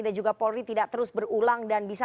dan juga polri tidak terus berulang dan bisa